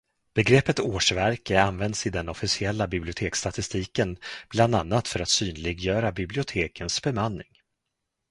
Begreppet årsverke används i den officiella biblioteksstatistiken bland annat för att synliggöra bibliotekens bemanning.